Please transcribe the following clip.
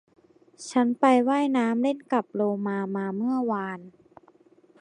ฉันไปว่ายน้ำเล่นกับโลมามาเมื่อวาน